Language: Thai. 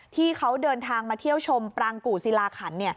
ที่เขาเดินทางมาเที่ยวชมปรางกู่ศิลาขัน